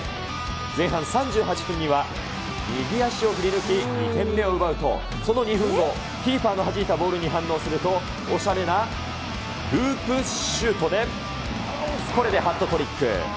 前半３８分には、右足を振り抜き、２点目を奪うと、その２分後、キーパーのはじいたボールに反応すると、おしゃれなループシュートで、これでハットトリック。